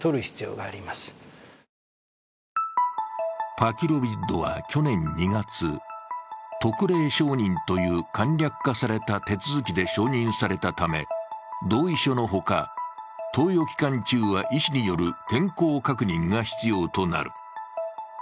パキロビッドは去年２月、特例承認という簡略化された手続きで承認されたため、同意書のほか、投与期間中は医師による健康確認が必要となる。